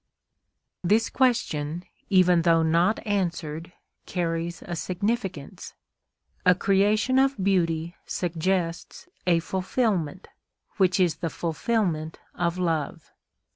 This question, even though not answered, carries a significance. A creation of beauty suggests a fulfilment, which is the fulfilment of love.